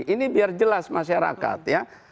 ini biar jelas masyarakat